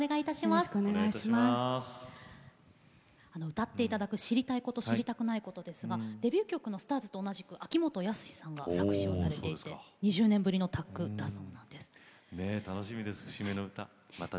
歌っていただく「知りたいこと、知りたくないこと」ですけれどデビュー曲の「ＳＴＡＲＳ」と同じ秋元康さんが作詞をされて２０年ぶりの歌だそうです。